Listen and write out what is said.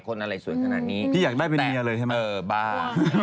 คนอะไรสวยขนาดนี้แต่เออบ้า